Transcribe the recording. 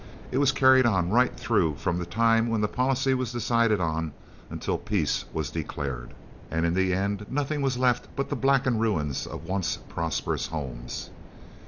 It was carried on right through from the time when the policy was decided on until peace was declared, and in the end nothing was left but the blackened ruins of once prosperous homes.